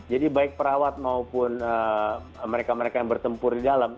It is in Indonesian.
jadi baik perawat maupun mereka mereka yang bertempur di dalam